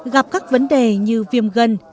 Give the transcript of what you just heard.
gặp các vấn đề như viêm gân